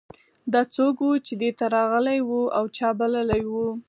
دا څوک و چې دې ته راغلی و او چا بللی و